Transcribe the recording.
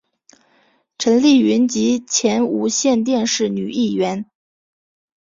陈丽云及前无线电视女艺员。